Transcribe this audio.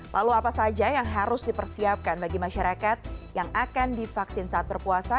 lalu apa saja yang harus dipersiapkan bagi masyarakat yang akan divaksin saat berpuasa